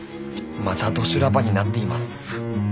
またド修羅場になっています